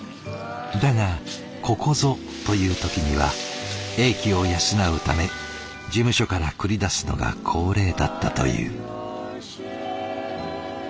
だがここぞという時には英気を養うため事務所から繰り出すのが恒例だったという。